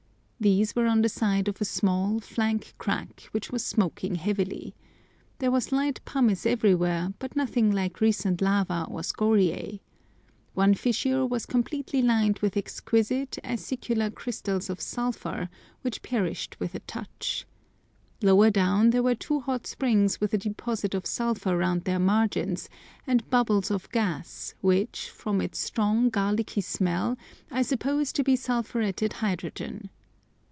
These were on the side of a small, flank crack which was smoking heavily. There was light pumice everywhere, but nothing like recent lava or scoriæ. One fissure was completely lined with exquisite, acicular crystals of sulphur, which perished with a touch. Lower down there were two hot springs with a deposit of sulphur round their margins, and bubbles of gas, which, from its strong, garlicky smell, I suppose to be sulphuretted hydrogen.